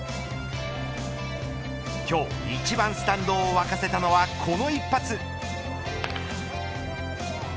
今日、一番スタンドを沸かせたのは、この一発。